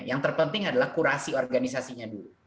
yang terpenting adalah kurasi organisasinya dulu